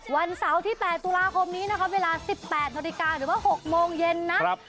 วันเสาร์ที่๘ตุลาคมนี้นะครับเวลา๑๘นาฬิกาหรือว่า๖โมงเย็นนะ